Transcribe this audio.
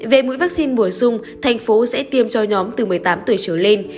về mũi vaccine bổ sung thành phố sẽ tiêm cho nhóm từ một mươi tám tuổi trở lên